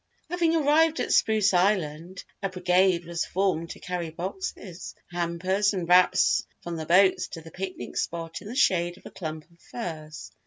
Having arrived at Spruce Island, a brigade was formed to carry boxes, hampers, and wraps from the boats to the picnic spot in the shade of a clump of firs.